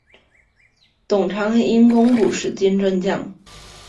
董昌因功补石镜镇将。